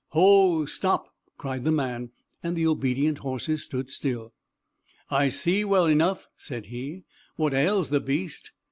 "Ho, stop!" cried the man, and the obedient horses stood still. "I see well enough," said he, "what ails the beast.